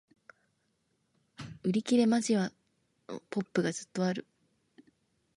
売り切れ間近！のポップがずっとある